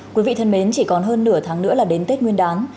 quý vị thân mến chỉ còn hơn nửa tháng nữa là đến tết nguyên đán